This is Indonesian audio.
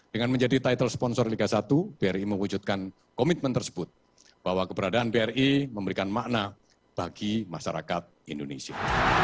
dengan menjadi title sponsor liga satu bri mewujudkan komitmen tersebut bahwa keberadaan bri memberikan makna bagi masyarakat indonesia